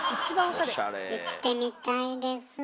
行ってみたいです。